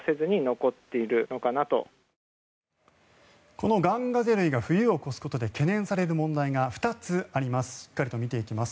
このガンガゼ類が冬を越すことで懸念される問題が２つあります。